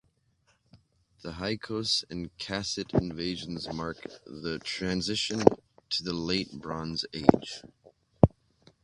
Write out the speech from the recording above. The Hyksos and Kassite invasions mark the transition to the Late Bronze Age.